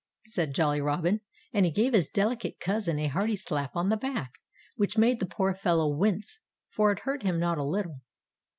said Jolly Robin. And he gave his delicate cousin a hearty slap on the back, which made the poor fellow wince for it hurt him not a little.